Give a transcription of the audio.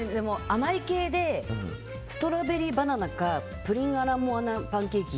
甘い系でストロベリーバナナかプリンアラモアナパンケーキ。